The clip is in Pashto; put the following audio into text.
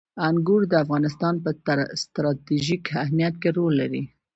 انګور د افغانستان په ستراتیژیک اهمیت کې رول لري.